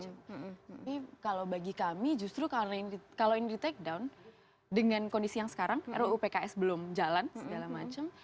jadi kalau bagi kami justru kalau ini di take down dengan kondisi yang sekarang ruu pks belum jalan segala macam